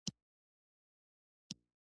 ښوونځی د زده کړې ځای دی